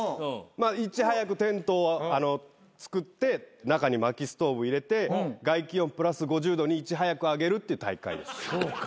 いち早くテントを作って中にまきストーブ入れて外気温プラス５０℃にいち早く上げるっていう大会。